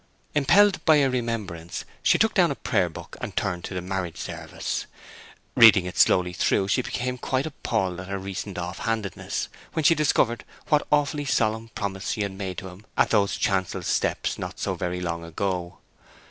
Impelled by a remembrance she took down a prayer book and turned to the marriage service. Reading it slowly through, she became quite appalled at her recent off handedness, when she rediscovered what awfully solemn promises she had made him at those chancel steps not so very long ago.